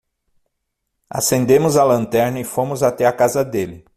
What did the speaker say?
Acendemos a lanterna e fomos até a casa dele.